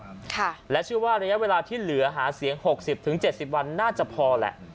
ประเด็นหลักและชื่อว่าระยะเวลาที่เหลือหาเสียง๖๐๗๐วันน่าจะพอแหละ